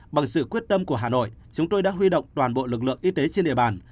bằng sự quyết tâm của hà nội chúng tôi đã huy động toàn bộ lực lượng y tế trên địa bàn